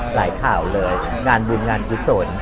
หลายข่าวเลยงานบุญงานอุศล